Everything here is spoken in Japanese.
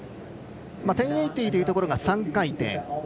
１０８０というところが３回転。